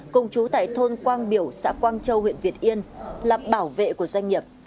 cùng chú tại thôn quang biểu xã quang châu huyện việt yên là bảo vệ của doanh nghiệp